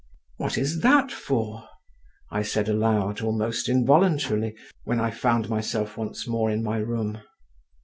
"What is that for?" I said aloud almost involuntarily when I found myself once more in my room.